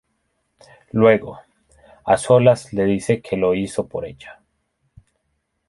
Luego, a solas le dice que lo hizo por ella.